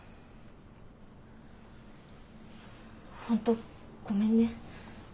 本当ごめんね。